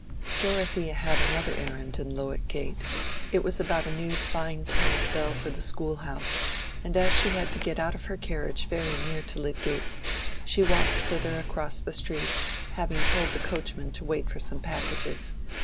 Dorothea had another errand in Lowick Gate: it was about a new fine toned bell for the school house, and as she had to get out of her carriage very near to Lydgate's, she walked thither across the street, having told the coachman to wait for some packages.